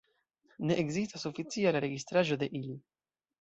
Ne ekzistas oficiala registraĵo de ili.